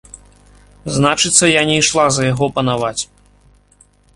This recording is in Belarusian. Значыцца, я не ішла за яго панаваць.